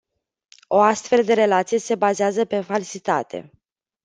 O astfel de relație se bazează pe falsitate.